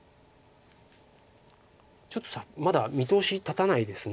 ちょっとまだ見通し立たないです。